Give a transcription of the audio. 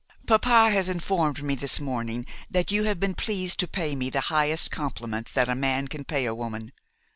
Papa has informed me this morning that you have been pleased to pay me the highest compliment that a man can pay a woman.